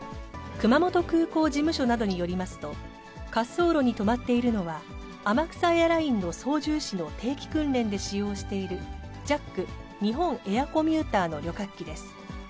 熊本空港事務所などによりますと、滑走路に止まってのは、天草エアラインの操縦士の定期訓練で使用しているＪＡＣ・日本エアーコミューターの旅客機です。